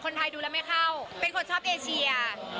ดูแล้วไม่เข้าเป็นคนชอบเอเชีย